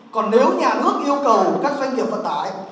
còn nếu nhà nước yêu cầu các doanh nghiệp vận tải